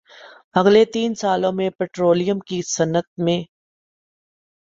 اگلے تین سالوں میں پٹرولیم کی صنعت میں